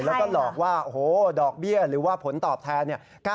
แล้วก็หลอกว่าโหดอกเบี้ยนหรือว่าผลตอบแทน๙๓